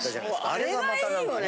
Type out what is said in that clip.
あれがまた何かね。